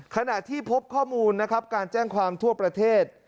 ขณะที่พบข้อมูลนะครับการแจ้งความทั่วประเทศ